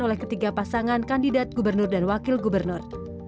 oleh ketiga pasangan kandidat gubernur dan wakil gubernur